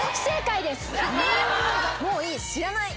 「もういい！